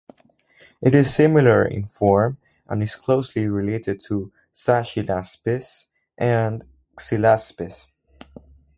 It is similar in form and is closely related to "Zascinaspis" and "Xylaspis".